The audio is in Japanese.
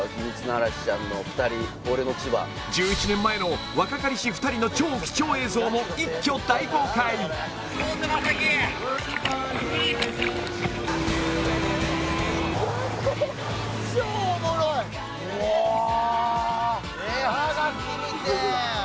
１１年前の若かりし２人の超貴重映像も一挙大公開うおーっ！